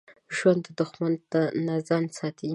ژوندي د دښمنۍ نه ځان ساتي